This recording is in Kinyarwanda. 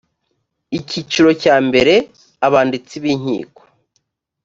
icyiciro cya mbere abanditsi b inkiko